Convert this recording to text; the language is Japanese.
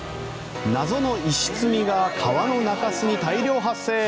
謎の石積みが川の中州に大量発生。